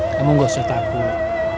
kamu gak usah takut